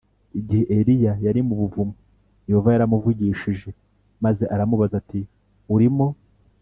Igihe Eliya yari mu buvumo Yehova yaramuvugishije maze aramubaza ati urimo